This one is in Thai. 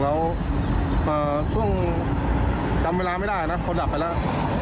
แล้วช่วงจำเวลาไม่ได้นะเขาดับไปแล้ว